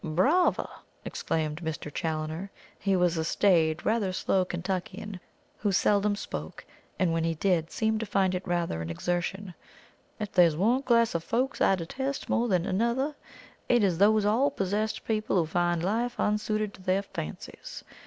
"Brava!" exclaimed Mr. Challoner. He was a staid, rather slow Kentuckian who seldom spoke; and when he did, seemed to find it rather an exertion. "If there's one class of folk I detest more than another, it is those all possessed people who find life unsuited to their fancies.